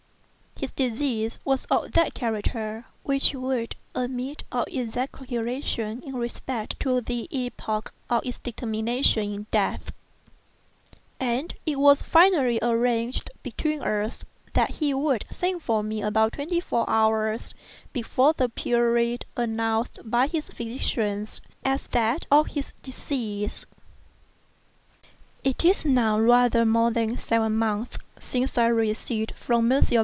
His disease was of that character which would admit of exact calculation in respect to the epoch of its termination in death; and it was finally arranged between us that he would send for me about twenty four hours before the period announced by his physicians as that of his decease. It is now rather more than seven months since I received, from M.